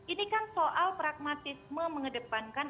ini kan soal pragmatisme mengedepankan